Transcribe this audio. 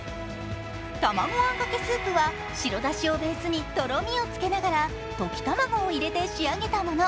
卵あんかけスープは白だしをベースにとろみをつけながら溶き卵を入れ仕上げたもの。